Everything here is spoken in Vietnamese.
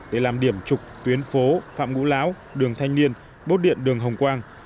để làm điểm trục tuyến phố phạm ngũ lão đường thanh niên bốt điện đường hồng quang